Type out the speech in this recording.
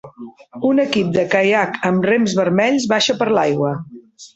Un equip de caiac amb rems vermells baixa per l'aigua